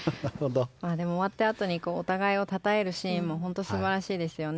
終わったあとにお互いをたたえるシーンも本当に素晴らしいですよね。